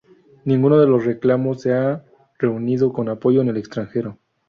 Ninguno de los reclamos se ha reunido con apoyo en el extranjero.